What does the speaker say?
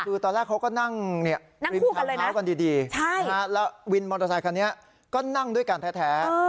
คือตอนแรกเขาก็นั่งเนี่ยนั่งคู่กันเลยนะดีใช่แล้ววินมอเตอร์ไซคอนี้ก็นั่งด้วยกันแท้